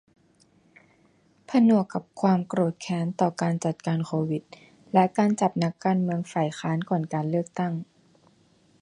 ผนวกกับความโกรธแค้นต่อการจัดการโควิด และการจับนักการเมืองฝ่ายค้านก่อนการเลือกตั้ง